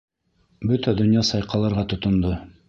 Бөтә донъя сайҡалырға тотондо.